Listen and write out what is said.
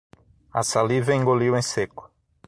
A saliva engoliu em seco.